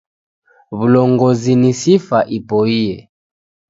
W'ulongozi ni sifa ipoye.